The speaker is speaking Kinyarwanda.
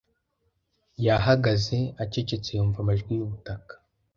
Yahagaze acecetse yumva amajwi yubutaka